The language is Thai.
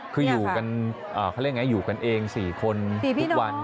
คืออยู่กันอยู่กันเอง๔คนทุกวัน